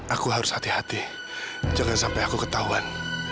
aku harus hati hati jangan sampai aku ketahuan